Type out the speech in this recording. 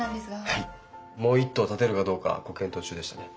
はいもう一棟建てるかどうかご検討中でしたね。